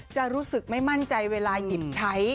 จะรู้สึกไม่มั่นใจเวลาหยิบใช้